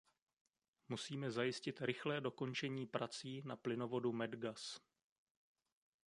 Musíme zajistit rychlé dokončení prací na plynovodu Medgaz.